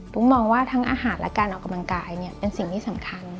มองว่าทั้งอาหารและการออกกำลังกายเป็นสิ่งที่สำคัญ